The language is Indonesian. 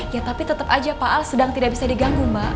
ya tapi tetap aja pak a sedang tidak bisa diganggu mbak